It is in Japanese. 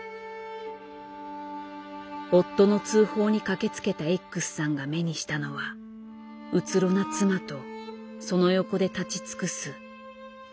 夫の通報に駆けつけたＸさんが目にしたのはうつろな妻とその横で立ち尽くす子どもたちの姿。